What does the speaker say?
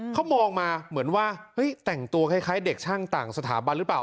เขามองมาเหมือนว่าเฮ้ยแต่งตัวคล้ายเด็กช่างต่างสถาบันหรือเปล่า